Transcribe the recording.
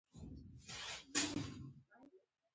ازادي راډیو د سوداګري بدلونونه څارلي.